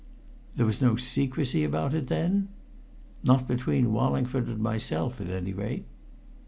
"There was no secrecy about it, then?" "Not between Wallingford and myself at any rate."